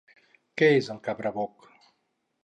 Què és el cabraboc?